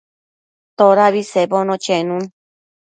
Todabi bedbono chenun